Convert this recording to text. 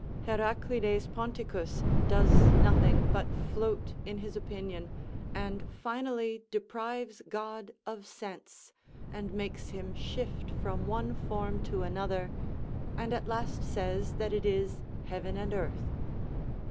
Heraclides Ponticus does nothing but float in his opinion, and finally deprives God of sense, and makes him shift from one form to another, and at last says that it is heaven and earth.